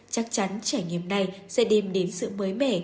chắc chắn trải nghiệm này sẽ đem đến sự mới mẻ